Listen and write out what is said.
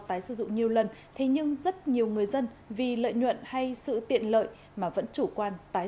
tái sử dụng nhiều lần thế nhưng rất nhiều người dân vì lợi nhuận hay sự tiện lợi mà vẫn chủ quan tái